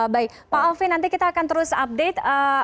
baik pak alvin nanti kita akan terus update